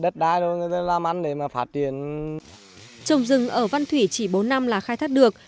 trồng rừng ở văn thủy chỉ bốn năm là khai thác được